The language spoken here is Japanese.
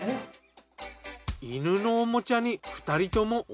犬のおもちゃに２人とも